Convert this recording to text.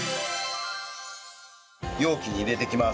容器に入れていきます。